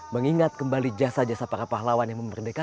mengingat kembali jasa jasa para pahlawan yang memerdeka